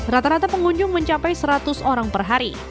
rata rata pengunjung mencapai seratus orang per hari